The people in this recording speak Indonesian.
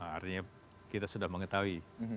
artinya kita sudah mengetahui